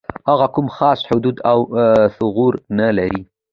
هغه کوم خاص حدود او ثغور نه لري.